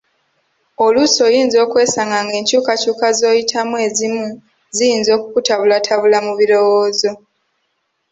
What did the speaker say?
Oluusi oyinza okwesanga ng'enkyukakyuka z'oyitamu ezimu ziyinza okukutabulatabula mu birowoozo.